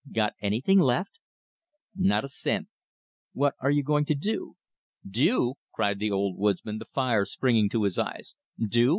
"Got anything left?" "Not a cent." "What are you going to do?" "Do!" cried the old woodsman, the fire springing to his eye. "Do!